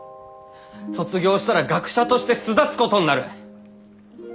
卒業したら学者として巣立つことになる！